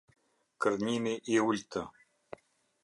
Kërnjini i Ultë